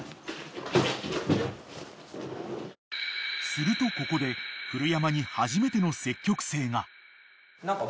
［するとここで古山に初めての積極性が］何か。